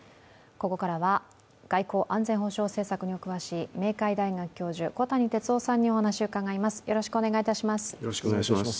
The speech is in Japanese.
ここからは外交・安全保障政策にお詳しい明海大学教授、小谷哲男さんにお話を伺います。